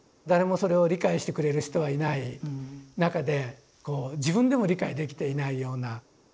誰もそれを理解してくれる人はいない中でこう自分でも理解できていないような。